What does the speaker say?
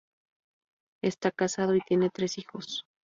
Está casado, y tiene tres hijos.